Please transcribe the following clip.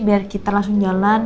biar kita langsung jalan